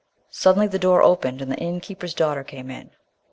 Suddenly the door opened and the inn keeper's daughter came in.